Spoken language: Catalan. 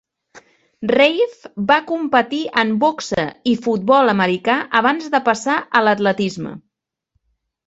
Reiff va competir en boxa i futbol americà abans de passar a l'atletisme.